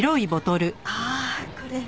ああこれ。